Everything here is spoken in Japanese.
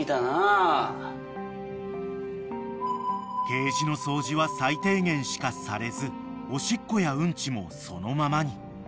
［ケージの掃除は最低限しかされずおしっこやうんちもそのままに］